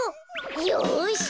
よし！